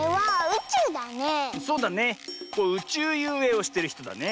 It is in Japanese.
うちゅうゆうえいをしてるひとだね。